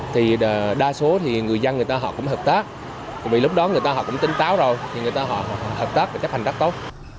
thì đa số thì người dân người ta họ cũng hợp tác vì lúc đó người ta họ cũng tính táo rồi thì người ta họ hợp tác và chấp hành rất tốt